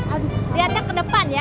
aduh lihatnya ke depan ya